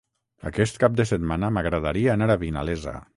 Aquest cap de setmana m'agradaria anar a Vinalesa.